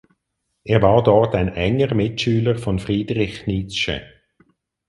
Er war dort ein enger Mitschüler von Friedrich Nietzsche.